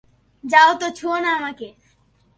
যাও তো, ছুঁয়ো না আমাকে।